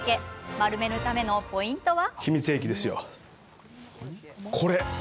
丸めるためのポイントは。